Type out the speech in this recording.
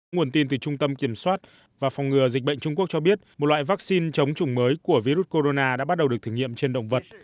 nguồn tin từ trung tâm kiểm soát và phòng ngừa dịch bệnh trung quốc cho biết một loại vaccine chống chủng mới của virus corona đã bắt đầu được thử nghiệm trên động vật